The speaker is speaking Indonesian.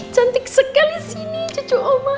cantik sekali sini cucu oma